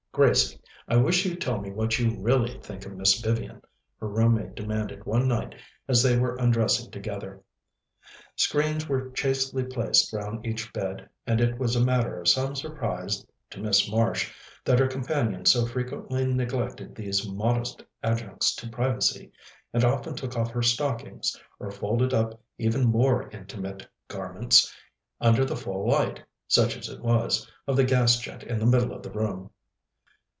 "Gracie, I wish you'd tell me what you really think of Miss Vivian," her room mate demanded one night as they were undressing together. Screens were chastely placed round each bed, and it was a matter of some surprise to Miss Marsh that her companion so frequently neglected these modest adjuncts to privacy, and often took off her stockings, or folded up even more intimate garments, under the full light, such as it was, of the gas jet in the middle of the room.